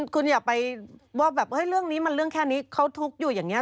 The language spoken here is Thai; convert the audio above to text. คุณอย่าไปว่าแบบเรื่องนี้มันเรื่องแค่นี้เขาทุกข์อยู่อย่างนี้